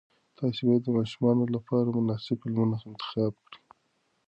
تاسې باید د ماشومانو لپاره مناسب فلمونه انتخاب کړئ.